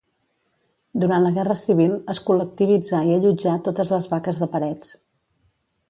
Durant la Guerra Civil es col·lectivitzà i allotjà totes les vaques de Parets.